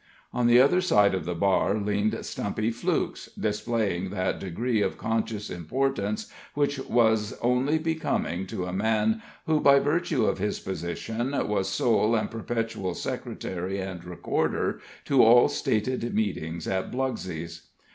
On the other side of the bar leaned Stumpy Flukes, displaying that degree of conscious importance which was only becoming to a man who, by virtue of his position, was sole and perpetual secretary and recorder to all stated meetings at Blugsey's.